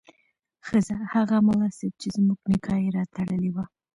ښځه: هغه ملا صیب چې زموږ نکاح یې راتړلې وه